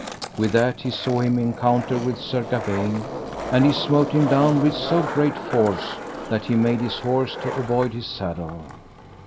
With that he saw him encounter with Sir Gawaine, and he smote him down with so great force that he made his horse to avoid his saddle.